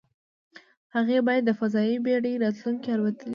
هغې باید د فضايي بېړۍ راتلونکې الوتنې